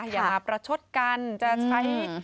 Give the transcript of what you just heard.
อย่ามาประชดกันจะใช้